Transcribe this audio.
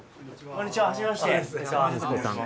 こんにちははじめまして